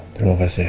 terima kasih ya